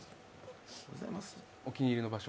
お気に入りの場所。